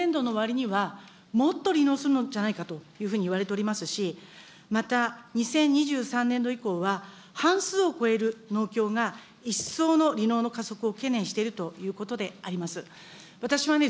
恐らく今年度の終わりには、もっと離農するのじゃないかといわれておりますし、また２０２３年度以降は半数を超える農協が、一層の離農の加速を懸念しているということであります。